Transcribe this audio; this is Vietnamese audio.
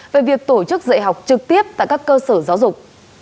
về việc tổ chức dạy học trực tiếp tại các cơ sở giáo dục